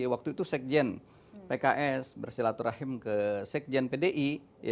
waktu itu sekjen pks bersilaturahim ke sekjen pdi